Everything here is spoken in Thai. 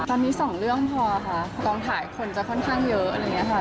ตอนนี้๒เรื่องพอตรงถ่ายคนจะค่อนข้างเยอะ